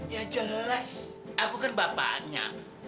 ya jelas aku kan bapakannya